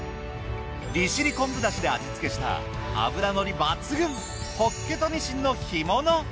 利尻昆布だしで味付けした脂乗り抜群ホッケとにしんの干物。